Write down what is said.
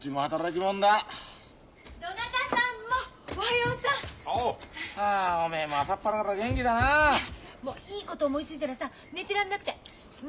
もういいこと思いついたらさ寝てらんなくて。ね！